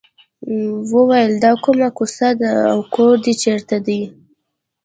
وویل دا کومه کوڅه ده او کور دې چېرته دی.